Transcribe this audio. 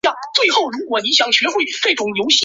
另外这边也是水半球的中心地。